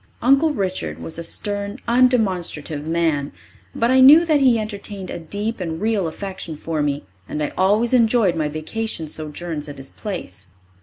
Uncle Richard was a stern, undemonstrative man, but I knew that he entertained a deep and real affection for me, and I always enjoyed my vacation sojourns at his place.